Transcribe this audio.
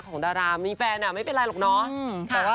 ดารามีแฟนไม่เป็นไรหรอกเนาะ